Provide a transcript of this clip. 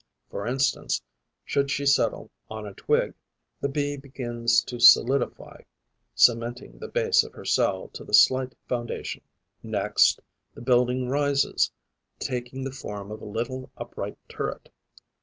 For instance, should she settle on a twig, the Bee begins by solidly cementing the base of her cell to the slight foundation. Next, the building rises, taking the form of a little upright turret.